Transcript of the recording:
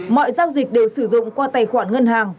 mọi giao dịch đều sử dụng qua tài khoản ngân hàng